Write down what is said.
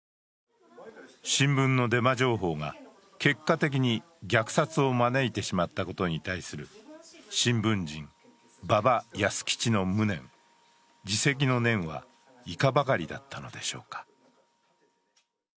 新聞のデマ情報が結果的に虐殺を招いてしまったことに対する新聞人・馬場安吉の無念、自責の念はいかばかりだったのでしょうか。